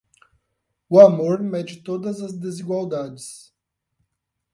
O amor mede todas as desigualdades.